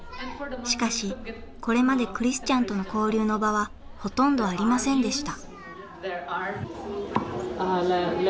しかしこれまでクリスチャンとの交流の場はほとんどありませんでした。